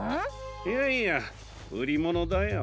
いやいやうりものだよ。